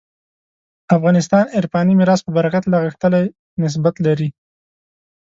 افغانستان عرفاني میراث په برکت لا غښتلی نسبت لري.